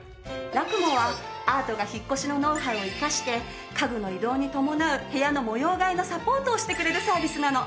ラクモはアートが引っ越しのノウハウを生かして家具の移動に伴う部屋の模様替えのサポートをしてくれるサービスなの。